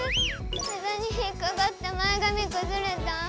えだに引っかかって前がみくずれた。